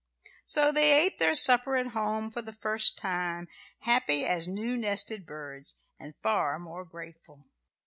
So they ate their supper at home for the first time, happy as new nested birds, and far more grateful.